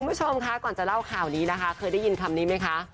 คุณผู้ชมคะก่อนจะเล่าข่าวนี้นะคะเคยได้ยินคำนี้ไหมคะ